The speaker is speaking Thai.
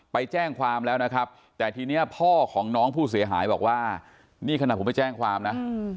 เพราะว่าน้องผู้เสียหายบอกว่านี่ขนาดผมไปแจ้งความนะ